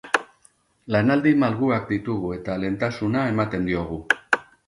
Lanaldi malguak ditugu eta lehentasuna ematen diogu.